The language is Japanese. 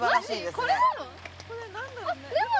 これなの？